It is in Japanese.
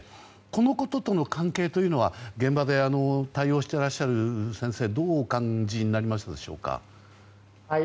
このこととの関係というのは現場で対応していらっしゃる先生どうお感じになるでしょうか。